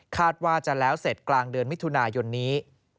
ว่าจะแล้วเสร็จกลางเดือนมิถุนายนนี้